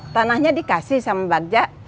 tanahnya dikasih sama bagja